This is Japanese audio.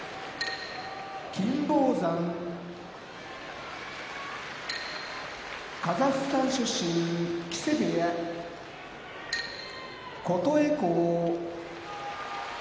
金峰山カザフスタン出身木瀬部屋琴恵光